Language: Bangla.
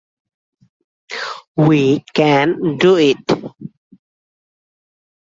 We can do it!